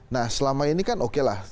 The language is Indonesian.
nah selama ini kan oke lah